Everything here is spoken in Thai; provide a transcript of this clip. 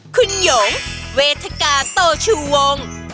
คุณหยงเวทกาโตชูวง